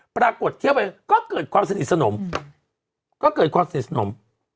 ปรากฏเที่ยวไปก็เกิดความสนิทสนม